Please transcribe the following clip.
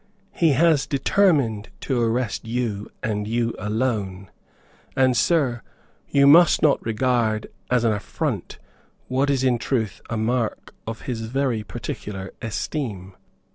He has determined to arrest you and you alone; and, Sir, you must not regard as an affront what is in truth a mark of his very particular esteem.